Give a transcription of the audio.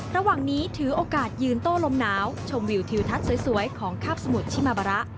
ระหว่างนี้ถือโอกาสยืนโต้ลมหนาวชมวิวทิวทัศน์สวยของคาบสมุทรชิมาบาระ